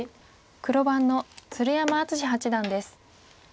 黒番の鶴山淳志八段です。